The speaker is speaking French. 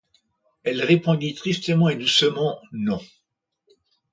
Elle répondit tristement et doucement: — Non.